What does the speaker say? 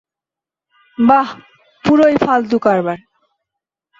বাহ, পুরোই ফালতু কারবার।